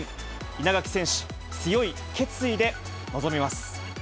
稲垣選手、強い決意で臨みます。